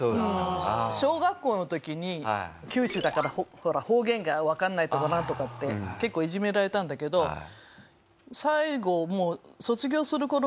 小学校の時に九州だからほら方言がわかんないとかなんとかって結構いじめられたんだけど最後もう卒業する頃には番長になってた。